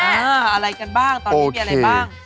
อะไรกันบ้างตอนนี้มีอะไรบ้าง